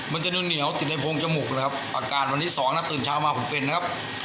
มันจะดูเหนียวติดในโพงจมูกนะครับอาการวันที่สองนะตื่นเช้ามาผมเป็นนะครับ